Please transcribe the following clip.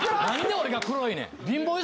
何で俺が黒いねん！